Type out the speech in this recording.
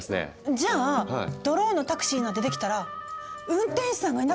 じゃあドローンのタクシーなんてできたら運転手さんがいなくなる？